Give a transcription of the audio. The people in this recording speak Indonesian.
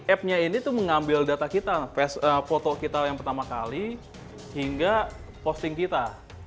app nya ini tuh mengambil data kita foto kita yang pertama kali hingga posting kita